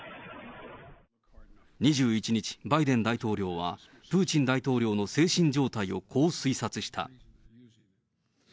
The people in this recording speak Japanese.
２１日、バイデン大統領は、プーチン大統領の精神状態をこう推察した。